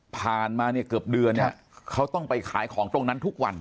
ผ่านมาเกือบเดือนเขาต้องไปขายของตรงนั้นทุกวัน